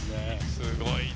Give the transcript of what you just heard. すごいね！